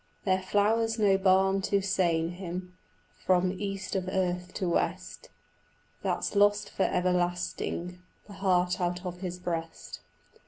There flowers no balm to sain him From east of earth to west That's lost for everlasting The heart out of his breast.